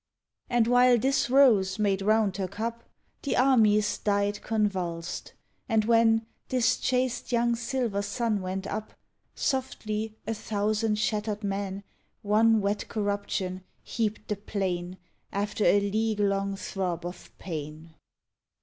And while this rose made round her cup, The armies died convulsed. And when This chaste young silver sun went up Softly, a thousand shattered men, One wet corruption, heaped the plain, After a league long throb of pain.